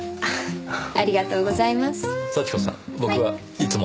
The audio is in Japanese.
はい？